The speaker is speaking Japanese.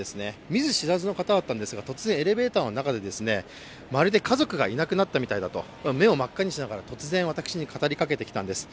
見ず知らずの方だったんですが、突然、エレベーターの中でまるで家族がいなくなったみたいだと、目を真っ赤にしながら突然私に語りかけてきたんです。